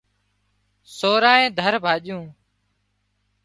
سورانئي ڌر ڀاڄون